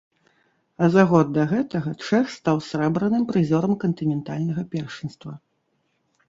А за год да гэтага чэх стаў срэбраным прызёрам кантынентальнага першынства.